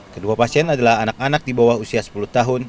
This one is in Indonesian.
kedua pasien adalah anak anak di bawah usia sepuluh tahun